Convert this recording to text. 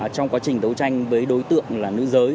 trong quá trình đấu tranh với đối tượng là nữ giới